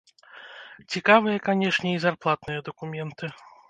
Цікавыя, канешне, і зарплатныя дакументы.